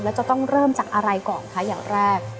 แล้วจะต้องเริ่มจากอะไรก่อนคะอย่างแรก